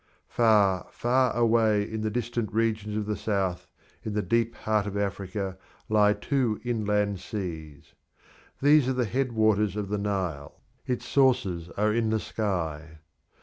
Far, far away in the distant regions of the south, in the deep heart of Africa, lie two inland seas. These are the headwaters of the Nile; its sources are in the sky.